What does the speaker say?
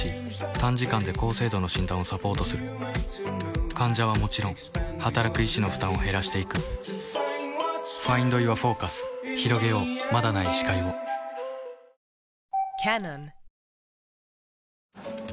短時間で高精度の診断をサポートする患者はもちろん働く医師の負担をへらしていくひろげようまだない視界をおーいやぁ香取さん